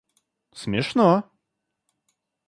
смешно